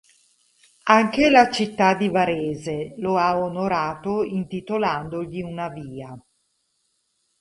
Anche la città di Varese lo ha onorato intitolandogli una via.